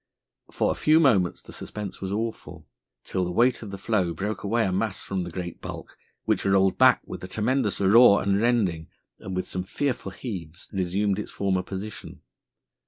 For a few moments the suspense was awful, till the weight of the floe broke away a mass from the great bulk, which rolled back with a tremendous roar and rending, and, with some fearful heaves, resumed its former position.